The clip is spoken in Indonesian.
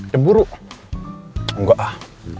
cemburu enggak ah